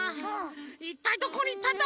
いったいどこにいったんだ！